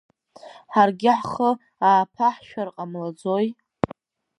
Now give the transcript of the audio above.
Ҳаргьы ҳхы ааԥаҳшәар ҟамлаӡои?